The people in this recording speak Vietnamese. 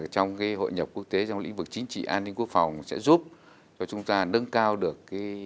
trong hội nhập quốc tế trong lĩnh vực chính trị an ninh quốc phòng sẽ giúp cho chúng ta nâng cao được